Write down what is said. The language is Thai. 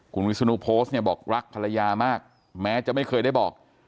คุณวิศนุโพสต์เนี่ยบอกรักภรรยามากแม้จะไม่เคยได้บอก